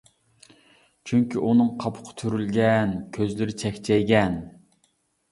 چۈنكى ئۇنىڭ قاپىقى تۈرۈلگەن، كۆزلىرى چەكچەيگەن!